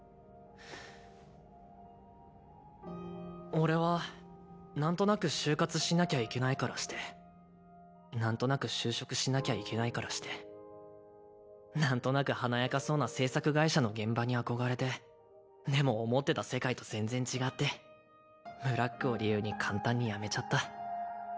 俺はなんとなく就活しなきゃいけないからしてなんとなく就職しなきゃいけないからしてなんとなく華やかそうな制作会社の現場に憧れてでも思ってた世界と全然違ってブラックを理由に簡単に辞めちゃった。